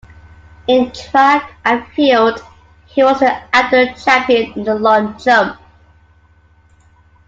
In track and field, he was the outdoor champion in the long jump.